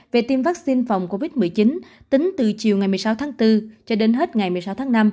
về tiêm vaccine phòng covid một mươi chín tính từ chiều ngày một mươi sáu tháng bốn cho đến hết ngày một mươi sáu tháng năm